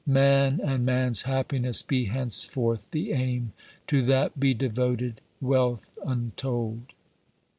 Man and man's happiness be henceforth the aim! To that be devoted wealth untold!"